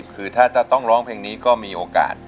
คือถ้าจะต้องร้องเพลงนี้ก็มีโอกาส